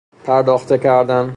پرداخته کردن